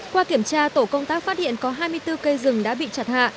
qua kiểm tra tổ công tác phát hiện có hai mươi bốn cây rừng đã bị chặt hạ